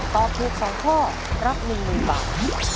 ตอบถูก๒ข้อรับ๑๐๐๐บาท